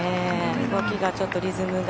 動きがちょっとリズムが。